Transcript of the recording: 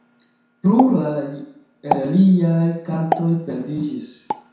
Pluraj el liaj kantoj perdiĝis.